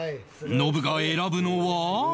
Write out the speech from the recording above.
ノブが選ぶのは